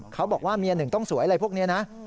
เขาบอกว่าเมียหนึ่งต้องสวยอะไรพวกนี้นะ